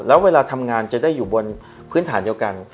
แล้วเวลาทำงานจะได้อยู่บนพื้นฐานเดียวกัน